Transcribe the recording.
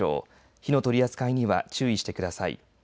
火の取り扱いには注意してください。